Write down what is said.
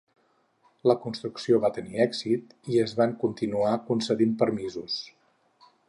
La construcció va tenir èxit i es van continuar concedint permisos.